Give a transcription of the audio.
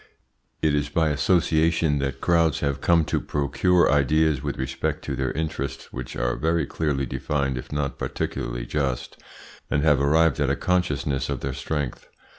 It is by association that crowds have come to procure ideas with respect to their interests which are very clearly defined if not particularly just, and have arrived at a consciousness of their strength.